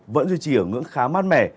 vẫn duy trì ở ngưỡng khá mát mẻ